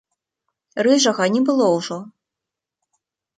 Рыжага не было ўжо.